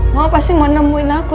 mau pasti mau nemuin aku